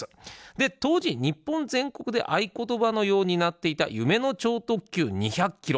で当時日本全国で合言葉のようになっていた「夢の超特急２００キロ」。